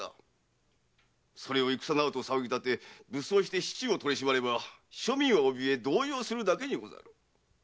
それを戦などと騒ぎ立て武装して市中を取り締まれば庶民はおびえ動揺するだけにござる。